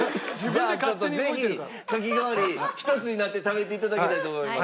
じゃあちょっとぜひかき氷ひとつになって食べて頂きたいと思います。